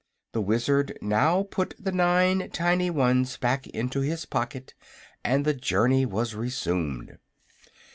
The Wizard now put the nine tiny ones back into his pocket and the journey was resumed.